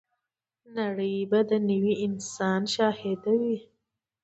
نړۍ به د نوي انسان شاهده وي.